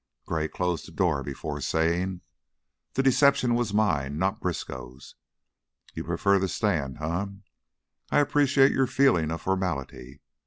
Gray closed the door before saying: "The deception was mine, not Briskow's. You prefer to stand? Um m I appreciate your feeling of formality.